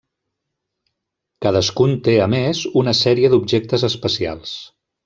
Cadascun té, a més, una sèrie d'objectes especials.